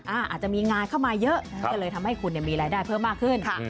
อาจจะมีงานเข้ามาเยอะก็เลยทำให้คุณมีรายได้เพิ่มมากขึ้น